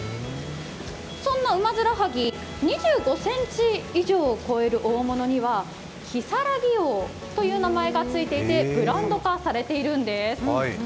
そんなウマヅラハギ２５ｃｍ以上を超える大物には如月王という名前がついていてブランド化されているんです。